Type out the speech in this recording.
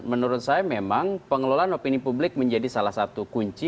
menurut saya memang pengelolaan opini publik menjadi salah satu kunci